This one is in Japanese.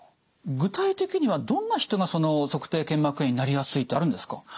具体的にはどんな人が足底腱膜炎になりやすいってあるんですか？